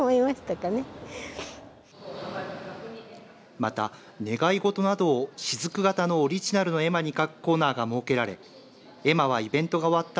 また、願い事などを雫型のオリジナルの絵馬に書くコーナーが設けられ絵馬はイベントが終わった